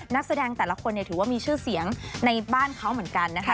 นักแสดงแต่ละคนถือว่ามีชื่อเสียงในบ้านเขาเหมือนกันนะคะ